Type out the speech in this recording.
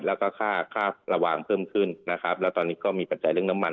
แล้วก็ค่าค่าระวังเพิ่มขึ้นนะครับแล้วตอนนี้ก็มีปัจจัยเรื่องน้ำมัน